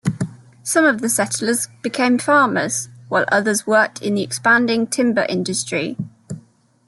Some of the settlers became farmers, while others worked in the expanding timber industry.